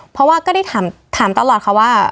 เพราะว่าก็ได้ถามตลอดค่ะว่า